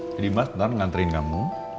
jadi mas nanti nganterin kamu